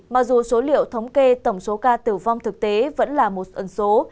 mặc dù số liệu thống kê tổng số ca tử vong thực tế vẫn là một ẩn số